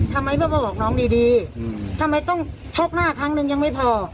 ทำไมเพราะบอกน้องดีดีอืมทำไมต้องช็อกหน้าครั้งหนึ่งยังไม่พอ